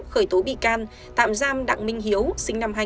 khởi tố bị can tạm giam đặng minh hiếu sinh năm hai nghìn